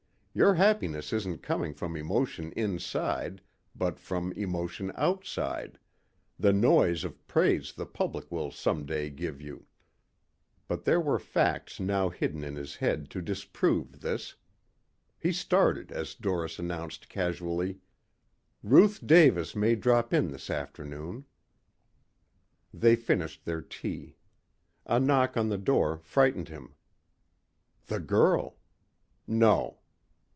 Your happiness isn't coming from emotion inside but from emotion outside the noise of praise the public will someday give you." But there were facts now hidden in his head to disprove this. He started as Doris announced casually, "Ruth Davis may drop in this afternoon." They finished their tea. A knock on the door frightened him. The girl! No.